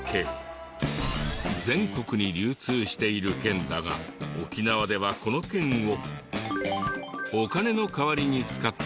全国に流通している券だが沖縄ではこの券を。